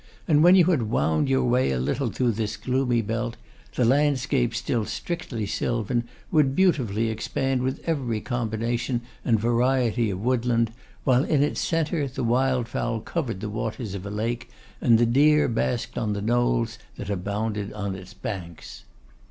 And when you had wound your way a little through this gloomy belt, the landscape still strictly sylvan, would beautifully expand with every combination and variety of woodland; while in its centre, the wildfowl covered the waters of a lake, and the deer basked on the knolls that abounded on its banks.